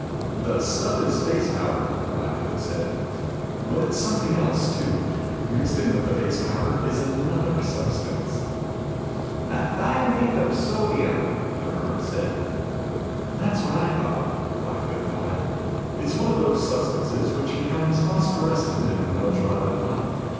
"The stuff is face powder," Black Hood said. "But it's something else, too. Mixed in with the face powder is another substance." "Naphthionate of sodium," the Hermit said. "That's what I thought," Black Hood nodded. "It's one of those substances which becomes phosphorescent in ultra violet light.